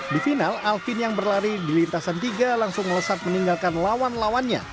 di final alvin yang berlari di lintasan tiga langsung melesat meninggalkan lawan lawannya